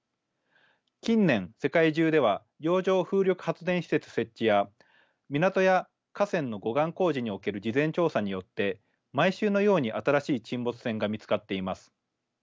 近年世界中では洋上風力発電施設設置や港や河川の護岸工事における事前調査によって毎週のように新しい沈没船が見つかっています。